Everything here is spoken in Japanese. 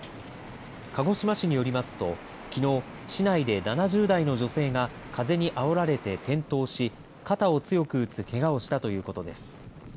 鹿児島市によりますときのう市内で７０代の女性が風にあおられて転倒し肩を強く打つけがをしたということです。